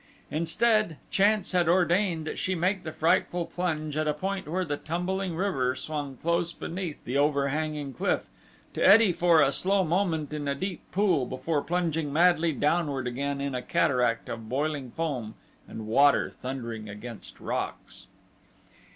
Instead, chance had ordained that she make the frightful plunge at a point where the tumbling river swung close beneath the overhanging cliff to eddy for a slow moment in a deep pool before plunging madly downward again in a cataract of boiling foam, and water thundering against rocks.